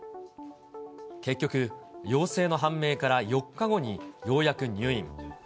結局、陽性の判明から４日後に、ようやく入院。